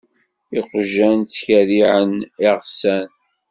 Iqjan ttkerriεen iɣsan.